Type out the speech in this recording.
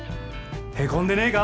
へこんでねえか？